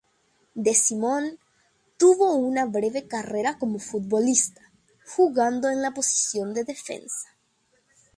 De Simone tuvo una breve carrera como futbolista, jugando en la posición de defensa.